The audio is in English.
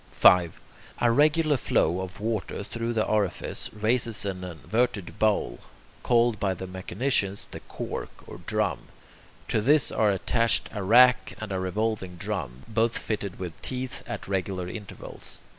5. A regular flow of water through the orifice raises an inverted bowl, called by mechanicians the "cork" or "drum." To this are attached a rack and a revolving drum, both fitted with teeth at regular intervals.